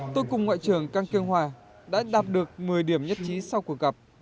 tôi cùng ngoại trưởng kang kyung hwa đã đạp được một mươi điểm nhất trí sau cuộc gặp